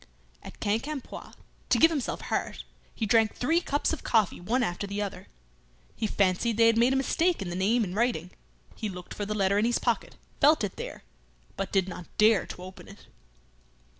At Quincampoix, to give himself heart, he drank three cups of coffee one after the other. He fancied they had made a mistake in the name in writing. He looked for the letter in his pocket, felt it there, but did not dare to open it.